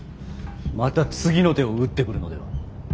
また次の手を打ってくるのでは。